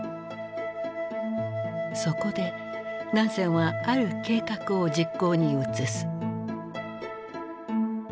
そこでナンセンはある計画を実行に移す。